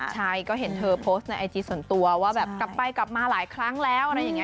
ใช่ก็เห็นเธอโพสต์ในไอจีส่วนตัวว่าแบบกลับไปกลับมาหลายครั้งแล้วอะไรอย่างนี้